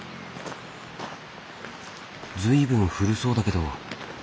随分古そうだけど。